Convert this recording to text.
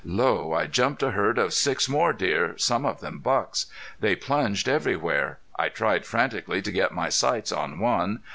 Lo! I jumped a herd of six more deer, some of them bucks. They plunged everywhere. I tried frantically to get my sights on one.